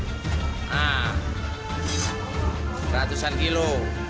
nah ratusan kilo